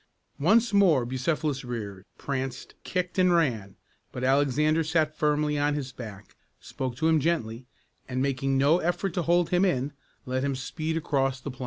Once more Bucephalus reared, pranced, kicked, and ran; but Alexander sat firmly on his back, spoke to him gently, and, making no effort to hold him in, let him speed across the plain.